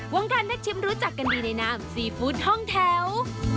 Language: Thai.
วงการนักชิมรู้จักกันดีในน้ำซีฟู้ดห้องแถว